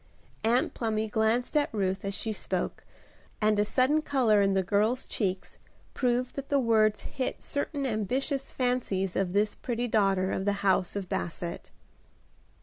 Aunt Plumy glanced at Ruth as she spoke, and a sudden color in the girl's cheeks proved that the words hit certain ambitious fancies of this pretty daughter of the house of Basset.